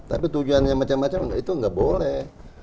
tapi tujuannya macam macam itu nggak boleh